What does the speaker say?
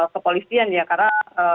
kepolisian ya karena